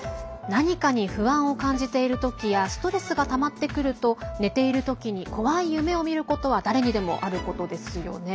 何かに不安を感じている時やストレスがたまってくると寝ている時に怖い夢を見ることは誰にでもあることですよね。